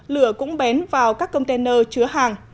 lửa cũng bén vào các container chứa hàng